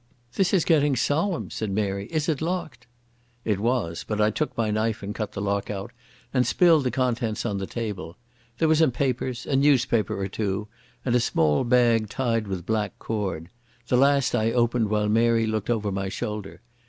"This is getting solemn," said Mary. "Is it locked?" It was, but I took my knife and cut the lock out and spilled the contents on the table. There were some papers, a newspaper or two, and a small bag tied with black cord. The last I opened, while Mary looked over my shoulder.